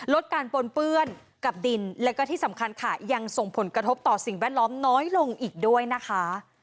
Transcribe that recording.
ลดการปนเปื้อนกับดินและก็ที่สำคัญค่ะยังส่งผลกระทบต่อสิ่งแวดล้อมน้อยลงอีกด้วยนะคะ